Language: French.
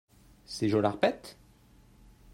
C'est Jolarpet ?